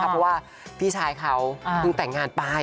เพราะว่าพี่ชายเขาเพิ่งแต่งงานไป